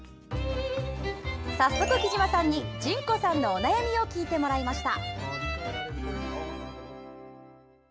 早速、きじまさんに淳子さんのお悩みを聞いてもらいました。